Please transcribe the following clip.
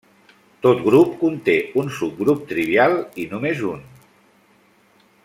Tot grup conté un subgrup trivial i només un.